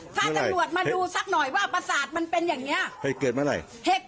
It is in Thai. ถ้าตำรวจมาดูสักหน่อยว่าประสาทมันเป็นอย่างนี้เหตุเกิดเมื่อไหร่